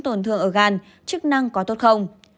tổn thương ở gan chức năng có tốt không